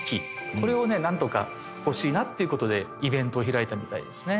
これをねなんとか欲しいなっていう事でイベントを開いたみたいですね。